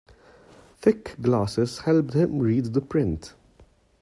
Thick glasses helped him read the print.